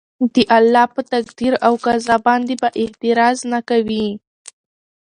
د الله په تقدير او قضاء باندي به اعتراض نه کوي